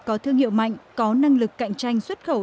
có thương hiệu mạnh có năng lực cạnh tranh xuất khẩu